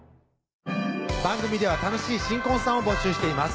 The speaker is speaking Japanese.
番組では楽しい新婚さんを募集しています